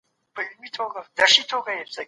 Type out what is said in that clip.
نړیوال قوانین د هیوادونو ترمنځ عدالت تامینوي.